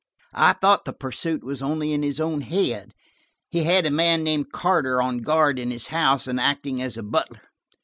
I thought the pursuit was only in his own head. He had a man named Carter on guard in his house, and acting as butler.